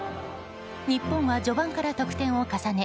日本は序盤から得点を重ね